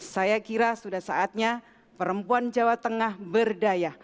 saya kira sudah saatnya perempuan jawa tengah berdaya